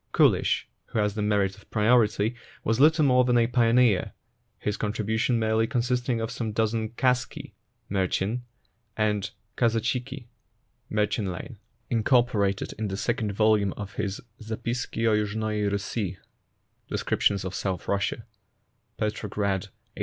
KuHsh, who has the merit of priority, was little more than a pioneer, his contribution merely consisting of some dozen kazki (Mdrchen) and kazochiki (Mdrchenlein), incorporated in the second volume of his Zapiski o yuzhnoi Rust (" Descriptions of South Russia," Petrograd, 1856 7).